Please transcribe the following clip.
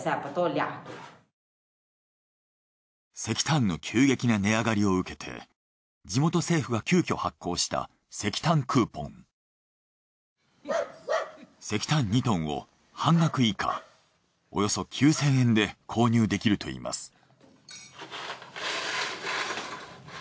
石炭の急激な値上がりを受けて地元政府が急きょ発行した石炭２トンを半額以下およそ９，０００円で購入できるといいます。